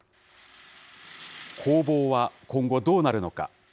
攻防は今後、どうなるのか。